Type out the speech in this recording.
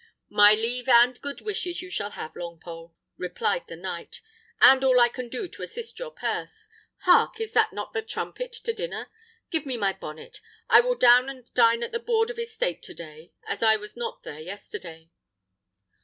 "My leave and good wishes you shall have, Longpole," replied the knight, "and all I can do to assist your purse. Hark! is not that the trumpet to dinner? Give me my bonnet; I will down and dine at the board of estate to day, as I was not there yesterday."